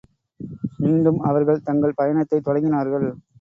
மீண்டும் அவர்கள் தங்கள் பயணத்தைத் தொடங்கினார்கள்.